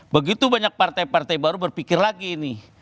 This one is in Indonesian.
begitu banyak partai partai baru berpikir lagi ini